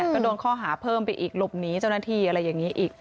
ก็โดนข้อหาเพิ่มไปอีกหลบหนีเจ้าหน้าที่อะไรอย่างนี้อีก